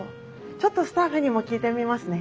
ちょっとスタッフにも聞いてみますね。